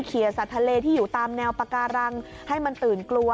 สัตว์ทะเลที่อยู่ตามแนวปาการังให้มันตื่นกลัว